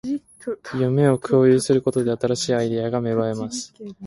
夢を共有することで、新しいアイデアが芽生えます